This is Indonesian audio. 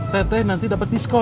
tete nanti dapat diskon